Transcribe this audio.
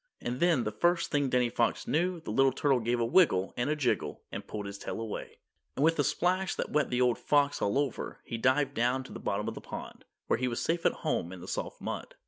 And then the first thing Danny Fox knew the little turtle gave a wiggle and a jiggle and pulled his tail away, and with a splash that wet the old fox all over, he dived down to the bottom of the pond, where he was safe at home in the soft mud.